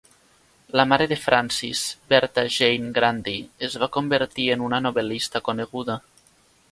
La mare de Francis, Bertha Jane Grundy, es va convertir en una novel·lista coneguda.